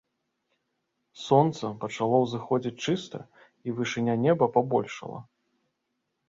Сонца пачало ўзыходзіць чыста, і вышыня неба пабольшала.